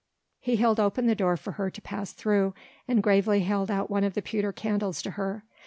He held open the door for her to pass through, and gravely held out one of the pewter candles to her.